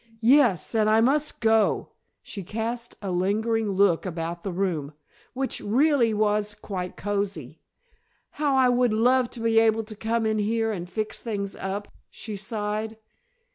"Yes, and I must go," she cast a lingering look about the room, which really was quite cozy. "How I would love to be able to come in here and fix things up," she sighed.